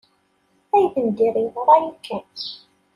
Ayen n dir yeḍra yakan.